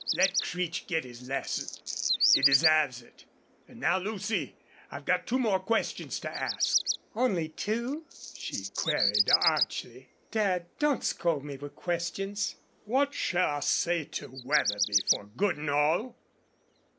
Let Creech get his lesson. He deserves it.... An' now, Lucy, I've two more questions to ask." "Only two?" she queried, archly. "Dad, don't scold me with questions." "What shall I say to Wetherby for good an' all?"